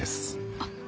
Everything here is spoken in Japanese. あっ。